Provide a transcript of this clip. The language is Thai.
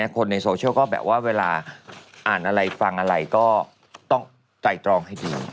คนในโซเชียลก็แบบว่าเวลาอ่านอะไรฟังอะไรก็ต้องไตรตรองให้ดี